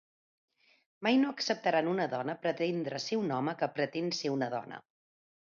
Mai no acceptaran una dona pretendre ser un home que pretén ser una dona!